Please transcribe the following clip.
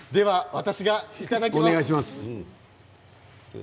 私がいただきます。